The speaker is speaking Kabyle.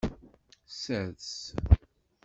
Sers.